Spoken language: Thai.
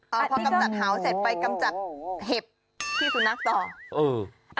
พอกำจัดเฮาเสร็จไปกำจัดเห็บที่สุนัขต่อ